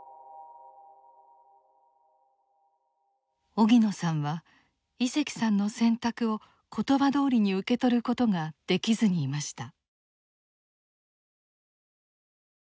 荻野さんは井関さんの選択を言葉どおりに受け取ることができずにいました。